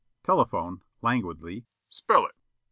Telephone, languidly: "Spell it."